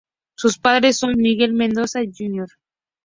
Sus padres son, Miguel Mendoza Jr.